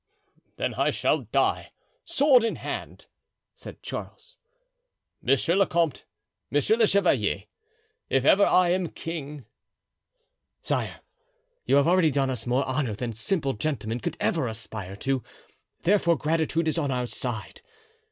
"Then I shall die, sword in hand," said Charles. "Monsieur le comte, monsieur le chevalier, if ever I am king——" "Sire, you have already done us more honor than simple gentlemen could ever aspire to, therefore gratitude is on our side.